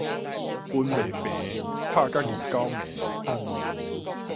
分袂平，拍甲二九暝